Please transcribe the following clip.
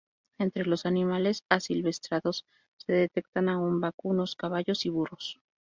Entre los animales asilvestrados se detectan aún a vacunos, caballos y burros.